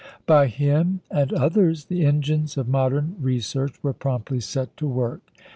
By him and others, the engines of modern research were promptly set to work.